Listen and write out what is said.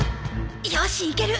よしいける！